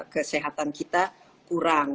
kesehatan kita kurang